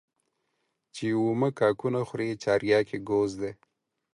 چي اومه کاکونه خوري چارياک يې گوز دى.